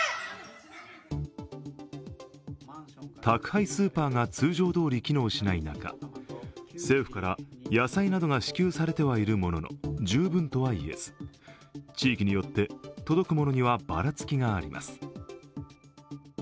宅配スーパーが通常どおり機能しない中、政府から野菜などが支給されてはいるものの、十分とはいえず、地域によって届くものにはばらつきがあります。